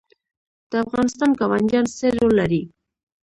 د افغانستان ګاونډیان څه رول لري؟